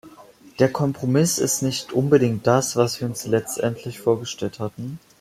Der Kompromiss ist nicht unbedingt das, was wir uns letztendlich vorgestellt hatten.